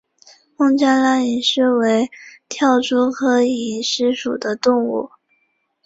孟加拉蝇狮为跳蛛科蝇狮属的动物。